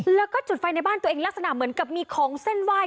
แล้วก็จุดไฟในบ้านตัวเองลักษณะเหมือนกับมีของเส้นไหว้